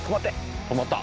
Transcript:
止まって！